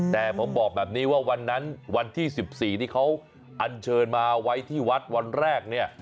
แต่ผมบอกแบบนี้ว่าวันที่๑๔วันที่เขาอัญเชิญมาไว้ที่วัดวันแรก